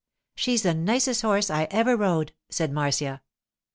'She's the nicest horse I ever rode,' said Marcia.